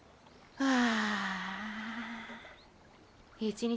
ああ。